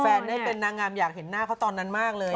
ได้เป็นนางงามอยากเห็นหน้าเขาตอนนั้นมากเลย